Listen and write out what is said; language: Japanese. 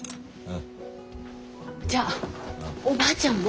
じゃあおばあちゃんも。